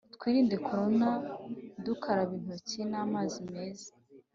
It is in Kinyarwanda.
Twirinde corona dukaraba inoki n’amazi meza